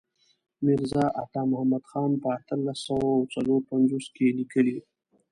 میرزا عطا محمد خان په اتلس سوه څلور پنځوس کې لیکلی.